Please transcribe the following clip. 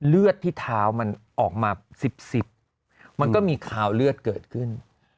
เลือดที่เท้ามันออกมา๑๐มันก็มีคาวเลือดเกิดขึ้น